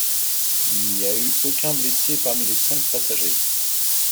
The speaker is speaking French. Il n'y a eu aucun blessé parmi les cinq passagers.